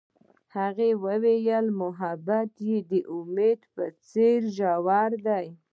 هغې وویل محبت یې د امید په څېر ژور دی.